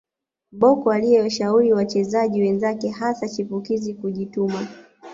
Bocco aliyewashauri wachezaji wenzake hasa chipukizi kujituma